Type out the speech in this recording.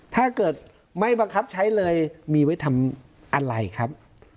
ถ้าเกิดไม่บังคับใช้เลยมีไว้ทำอะไรครับ